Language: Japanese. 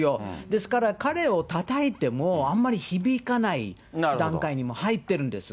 ですから彼をたたいてもあんまり響かない段階に入っているんです。